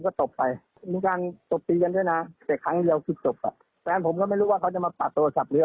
ขอบคุณครับ